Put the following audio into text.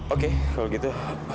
oke kalau gitu